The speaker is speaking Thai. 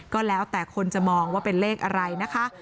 ก็แล้วแต่คนจะมองว่าเป็นเลขอะไรนะคะ